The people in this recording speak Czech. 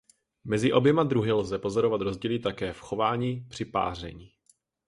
Mezi oběma druhy lze pozorovat rozdíly také v chování při páření.